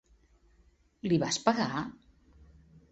Li vas pegar?